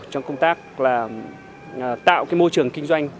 trong công tác tạo môi trường kinh doanh